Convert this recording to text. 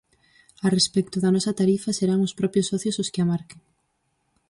A respecto da nosa tarifa, serán os propios socios os que a marquen.